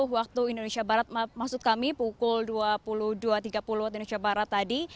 sepuluh tiga puluh waktu indonesia barat maksud kami pukul dua puluh dua tiga puluh indonesia barat tadi